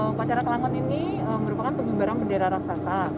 upacara kelanggon ini merupakan pengibaran bendera raksasa